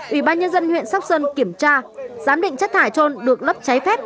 ủy ban nhân dân huyện sóc sơn kiểm tra giám định chất thải trôn được lấp cháy phép